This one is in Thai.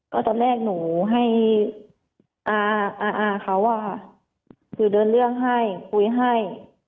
ก็ตอนแรกหนูให้อาเขาคือเดินเรื่องให้คุยให้